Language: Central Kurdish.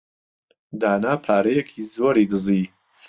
دانا پارەیەکی زۆری دزی.